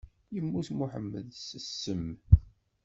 Yemmut Muḥemmed s ssem.